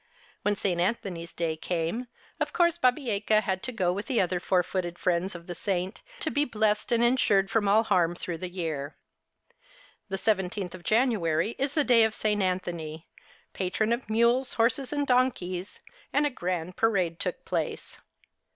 When St. Anthony's Day came, of course Babieca had to go with the other four footed friends of the saint, to be blessed and insured from all harm through the year. The seven teenth of January is the day of St. Anthony, pa tron of mules, horses, and donkeys, and a grand parade took place.